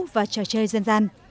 và trò chơi dân gian